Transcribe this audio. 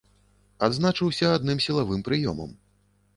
Адзначыўся адным сілавым прыёмам.